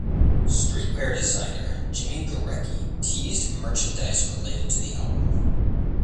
Streetwear designer Jimmy Gorecki teased merchandise related to the album.